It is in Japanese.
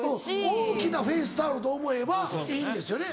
大きなフェースタオルと思えばいいんですよね